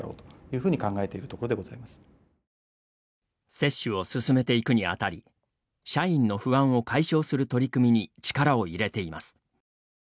接種を進めていくにあたり社員の不安を解消する取り組みに力を入れています。